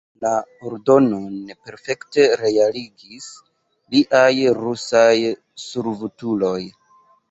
La ordonon perfekte realigis liaj rusaj servutuloj.